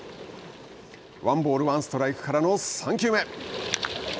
ワンボール、ワンストライクからの３球目。